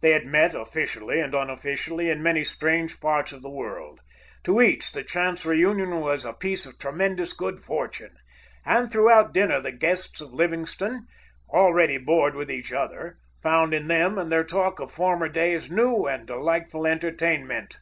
They had met, officially and unofficially, in many strange parts of the world. To each the chance reunion was a piece of tremendous good fortune. And throughout dinner the guests of Livingstone, already bored with each other, found in them and their talk of former days new and delightful entertainment.